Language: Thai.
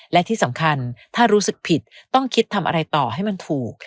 และที่สำคัญถ้ารู้สึกผิดต้องคิดทำอะไรต่อให้มันถูก